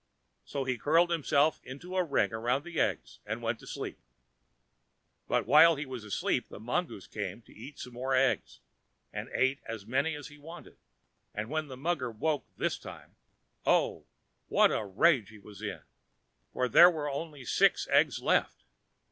So he curled himself into a ring round the eggs and went to sleep. But while he was asleep the mongoose came to eat some more of the eggs, and ate as many as he wanted, and when the mugger woke this time, oh! what a rage he was in, for there were only six eggs left!